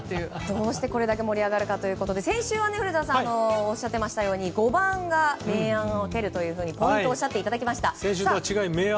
どうしてこれだけ盛り上がるかということで先週は古田さんに５番が明暗を分けるとポイントをおっしゃっていただきました。